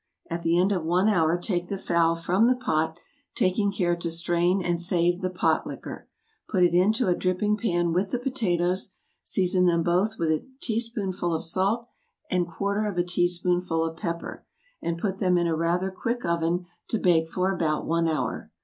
At the end of one hour take the fowl from the pot, taking care to strain and save the pot liquor, put it into a dripping pan with the potatoes, season them both with a teaspoonful of salt, and quarter of a teaspoonful of pepper, and put them in a rather quick oven to bake for about one hour.